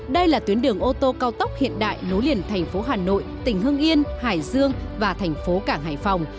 đây là tuyến đường ô tô cao tốc hiện đại nối liền thành phố hà nội tỉnh hương yên hải dương và thành phố cảng hải phòng